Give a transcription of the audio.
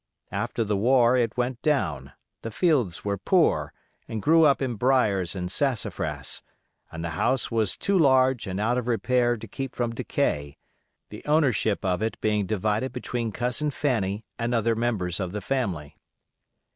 After the war it went down; the fields were poor, and grew up in briers and sassafras, and the house was too large and out of repair to keep from decay, the ownership of it being divided between Cousin Fanny and other members of the family.